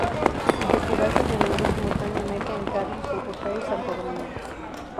El festival se celebró simultáneamente en Cádiz, Bogotá y Santo Domingo.